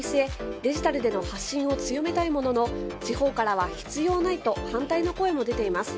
デジタルでの発信を強めたいものの地方からは必要ないとの反対の声も出ています。